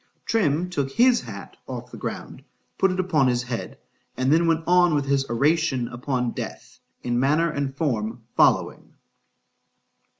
_ Trim took his hat off the ground,—put it upon his head,—and then went on with his oration upon death, in manner and form following.